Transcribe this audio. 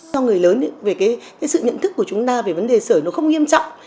cho người lớn sự nhận thức của chúng ta về vấn đề sợi nó không nghiêm trọng